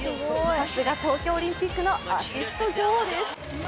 さすが東京オリンピックのアシスト女王です。